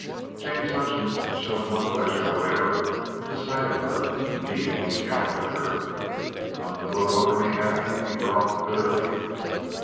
James Hutchings showed no pleasure whatever at the sight of her. Indeed, he scowled at her. "Come to gloat over me, have you?" he growled bitterly.